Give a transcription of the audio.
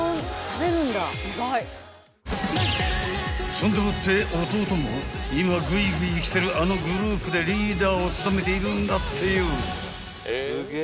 ［そんでもって弟も今ぐいぐいきてるあのグループでリーダーを務めているんだってよ］